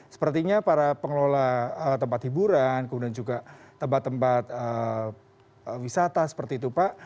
sepertinya para pengelola tempat hiburan kemudian juga tempat tempat wisata seperti itu pak